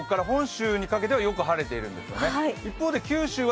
北海道から本州にかけてはよく晴れているんですね。